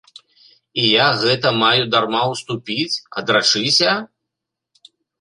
І я гэта маю дарма ўступіць, адрачыся?